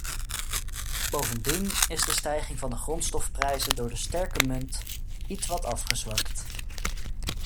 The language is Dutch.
Bovendien is de stijging van de grondstofprijzen door de sterke munt ietwat afgezwakt.